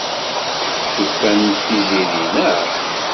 Tufamt-d Tiziri, naɣ?